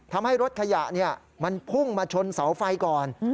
ทำให้รถขยะมันพุ่งมาชนเสาไฟก่อน